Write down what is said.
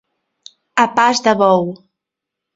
A pas de bou.